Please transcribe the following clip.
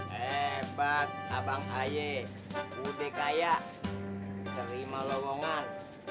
hebat abang haye budi kaya terima lowongan